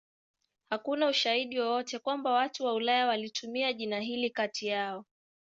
Hakuna ushahidi wowote kwamba watu wa Ulaya walitumia jina hili kati yao.